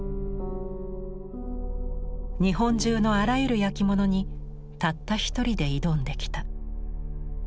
日本中のあらゆる焼き物にたった一人で挑んできた。